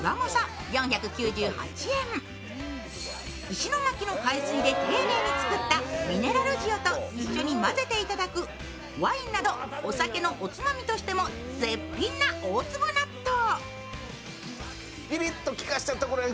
石巻の海水で丁寧に作ったミネラル塩と一緒に混ぜて頂くワインなど、お酒のおつまみとしても絶品な大粒納豆。